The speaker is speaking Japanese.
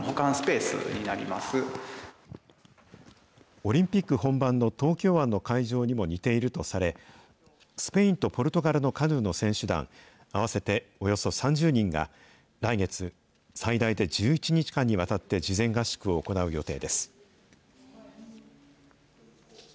オリンピック本番の東京湾の会場にも似ているとされ、スペインとポルトガルのカヌーの選手団合わせておよそ３０人が、来月、最大で１１日間にわたって、事前合宿を行う予定です。